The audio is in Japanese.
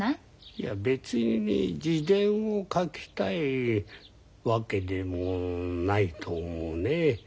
いや別に自伝を書きたいわけでもないと思うね。